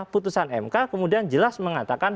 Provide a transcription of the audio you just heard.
putusan mk kemudian jelas mengatakan